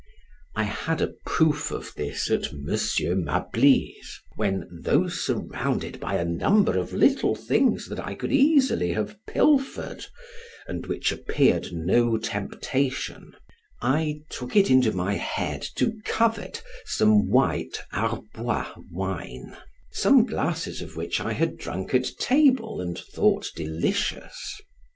I had a proof of this at M. Malby's, when, though surrounded by a number of little things that I could easily have pilfered, and which appeared no temptation, I took it into my head to covert some white Arbois wine, some glasses of which I had drank at table, and thought delicious.